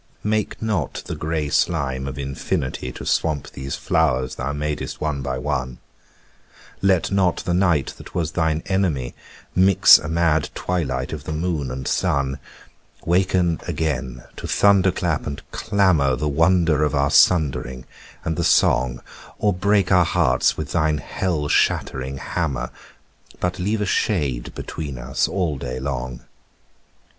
Make not the grey slime of infinity To swamp these flowers thou madest one by one; Let not the night that was thine enemy Mix a mad twilight of the moon and sun; Waken again to thunderclap and clamour The wonder of our sundering and the song, Or break our hearts with thine hell shattering hammer But leave a shade between us all day long.